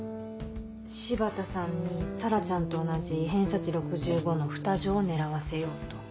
柴田さんに紗良ちゃんと同じ偏差値６５の二女を狙わせようと。